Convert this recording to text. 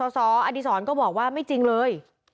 สอดีศรก็บอกว่าไม่จริงเลย